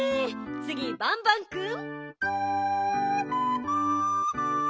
つぎバンバンくん。